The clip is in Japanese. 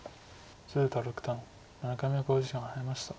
鶴田六段７回目の考慮時間に入りました。